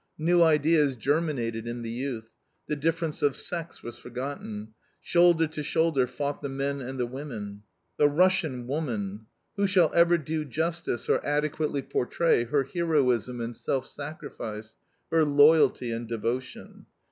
New ideas germinated in the youth. The difference of sex was forgotten. Shoulder to shoulder fought the men and the women. The Russian woman! Who shall ever do justice or adequately portray her heroism and self sacrifice, her loyalty and devotion?